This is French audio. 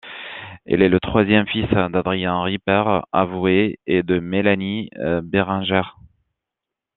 Il est le troisième fils d’Adrien Ripert, avoué, et de Mélanie Bérenger.